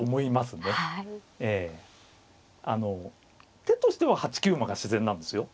ええあの手としては８九馬が自然なんですよ。